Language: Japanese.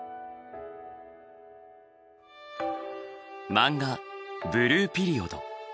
漫画「ブルーピリオド」。